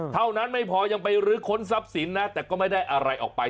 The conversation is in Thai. เท่านั้นไม่พอยังไปรื้อค้นทรัพย์สินนะแต่ก็ไม่ได้อะไรออกไป